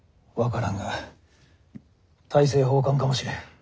分からんが大政奉還かもしれん。